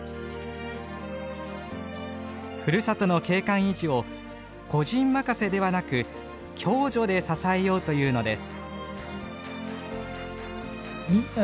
ふるさとの景観維持を個人任せではなく共助で支えようというのです。